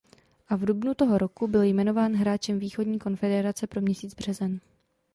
A v dubnu toho roku byl jmenován hráčem východní konfederace pro měsíc březen.